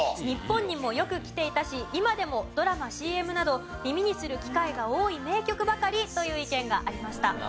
日本にもよく来ていたし今でもドラマＣＭなど耳にする機会が多い名曲ばかりという意見がありました。